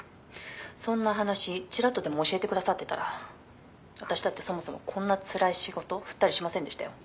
そんな話ちらっとでも教えてくださってたら私だってそもそもこんなつらい仕事振ったりしませんでしたよ」